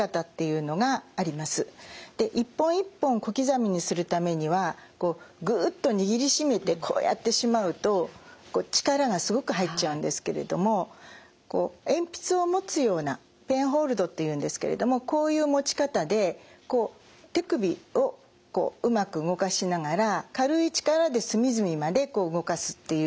一本一本小刻みにするためにはグッと握りしめてこうやってしまうと力がすごく入っちゃうんですけれども鉛筆を持つようなペンホールドっていうんですけれどもこういう持ち方でこう手首をこううまく動かしながら軽い力で隅々まで動かすっていう。